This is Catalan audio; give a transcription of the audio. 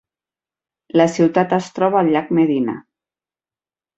La ciutat es troba al llac Medina.